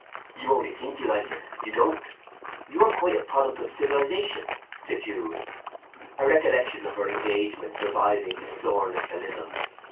"You only think you like it; you don't: you are quite a product of civilization," said Jude, a recollection of her engagement reviving his soreness a little.